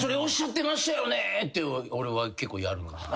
って俺は結構やるかな。